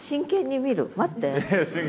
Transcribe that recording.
待って。